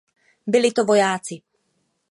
Byli to vojáci.